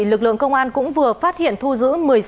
lực lượng công an cũng vừa phát hiện thu giữ